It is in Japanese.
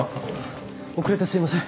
遅れてすいません。